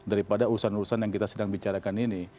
daripada urusan urusan yang kita sedang bicarakan ini